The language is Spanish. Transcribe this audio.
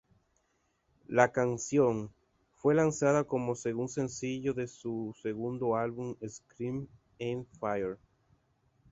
La canción fue lanzada como segundo sencillo de su segundo álbum Scream Aim Fire.